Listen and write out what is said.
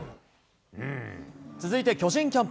続いて巨人キャンプ。